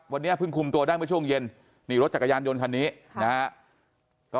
วันนี้พึ่งคุมตัวด้านไปช่วงเย็นหนีรถจักรยานยนต์คันนี้นะครับ